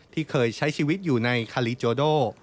ที่เคยใช้ชีวิตอยู่ในคาลีโจโด